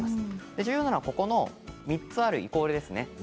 重要なのは３つあるイコールです。